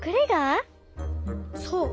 そう。